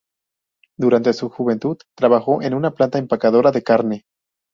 Durante su juventud, trabajó en una planta empacadora de carne.